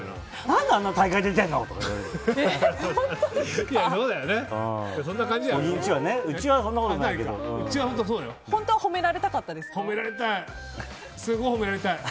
何であんな大会出てるの！みたいな。